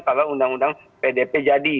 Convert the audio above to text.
kalau undang undang pdp jadi